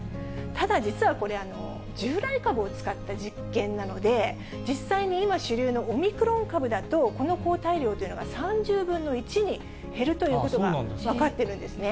ただ、実はこれ、従来株を使った実験なので、実際に今主流のオミクロン株だと、この抗体量というのが３０分の１に減るということが分かってるんですね。